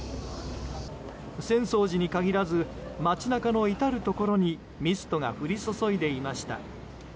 浅草寺に限らず街中のいたるところにミストが降り注いでいました。